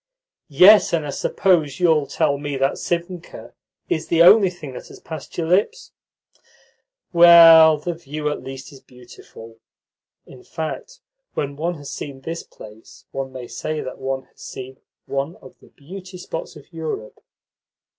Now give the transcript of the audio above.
"Yes, and I suppose you'll tell me that sivnkha is the only thing that has passed your lips? Well, the view at least is beautiful. In fact, when one has seen this place one may say that one has seen one of the beauty spots of Europe."